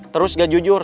terus gak jujur